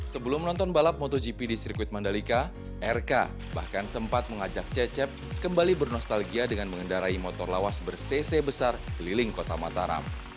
sebelum menonton balap motogp di sirkuit mandalika rk bahkan sempat mengajak cecep kembali bernostalgia dengan mengendarai motor lawas bersese besar keliling kota mataram